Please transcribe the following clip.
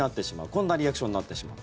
こんなリアクションになってしまう。